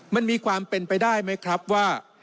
มันมีความเป็นไปได้ไหมครับว่า